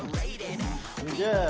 すげえ